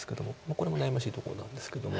これも悩ましいところなんですけども。